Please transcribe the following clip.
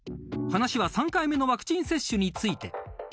［話は３回目のワクチン接種について］